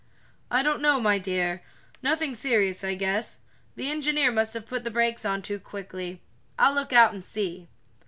"I don't know, my dear. Nothing serious, I guess. The engineer must have put the brakes on too quickly. I'll look out and see."